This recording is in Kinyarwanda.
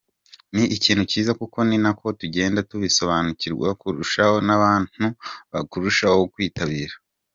Ni ikintu cyiza kuko ni nako tugenda tubisobanukirwa kurushaho n’abantu bakarushaho kwitabira”.